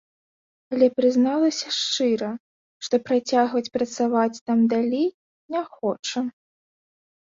Але прызналася шчыра, што працягваць працаваць там далей не хоча.